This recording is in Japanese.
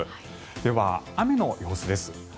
では雨の様子です。